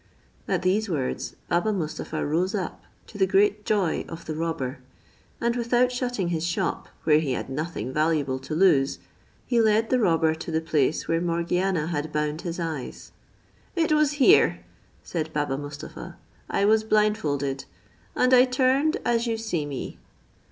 At these words Baba Mustapha rose up, to the great joy of the robber, and without shutting his shop, where he had nothing valuable to lose, he led the robber to the place where Morgiana had bound his eyes. "It was here," said Baba Mustapha, "I was blindfolded; and I turned as you see me."